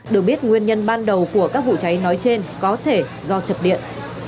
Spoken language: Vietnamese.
được biết nguyên nhân ban đầu của các vụ cháy nói trên có thể do chập điện